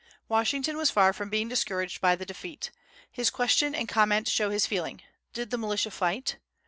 Washington was far from being discouraged by the defeat. His question and comment show his feeling: "Did the militia fight?